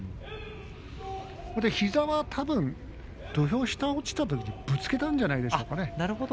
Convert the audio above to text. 膝はたぶん土俵下に落ちたときにぶつけたんじゃないでしょうかね。